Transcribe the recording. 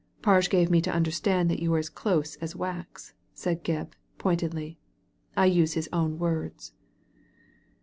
" Farge gave me to understand yon were as close as wax " said Gebb, pointedly. * I use his own words."